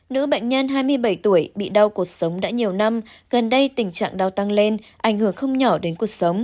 nữ bệnh nhân hai mươi bảy tuổi bị đau cuộc sống đã nhiều năm gần đây tình trạng đau tăng lên ảnh hưởng không nhỏ đến cuộc sống